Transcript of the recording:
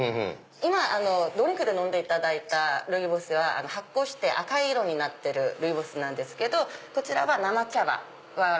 今ドリンクで飲んでいただいたルイボスは発酵して赤い色になってるルイボスなんですけどこちらは生茶葉。